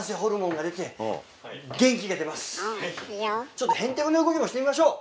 ちょっとヘンテコな動きもしてみましょう！